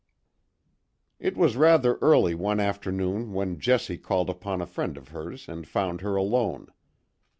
It was rather early one afternoon when Jessie called upon a friend of hers and found her alone.